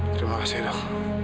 terima kasih dok